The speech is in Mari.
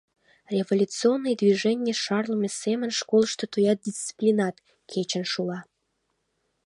Революционный движений шарлыме семын школышто тоя дисциплинат кечын шула.